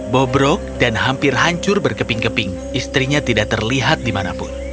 bobrok dan hampir hancur berkeping keping istrinya tidak terlihat dimanapun